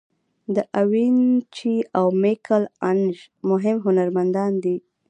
داوینچي او میکل آنژ مهم هنرمندان دي.